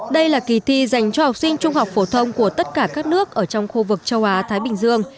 đây là kỳ thi dành cho học sinh trung học phổ thông của tất cả các nước ở trong khu vực châu á thái bình dương